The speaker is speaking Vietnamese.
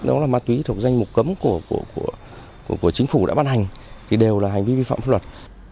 đó là ma túy thuộc danh mục cấm của chính phủ đã ban hành thì đều là hành vi vi phạm pháp luật